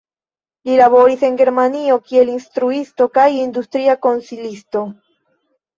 Li laboris en Germanio kiel instruisto kaj industria konsilisto.